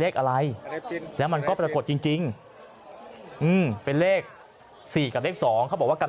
เลขอะไรแล้วมันก็เป็นขดจริงจริงอืมเป็นเลขสี่กับเลขสองเขาบอกว่ากำ